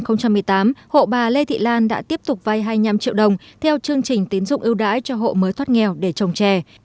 năm hai nghìn một mươi tám hộ bà lê thị lan đã tiếp tục vay hai mươi năm triệu đồng theo chương trình tín dụng ưu đãi cho hộ mới thoát nghèo để trồng trè